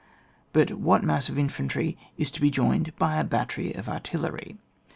but what mass of in fantry is to be joined to a battery of artillery?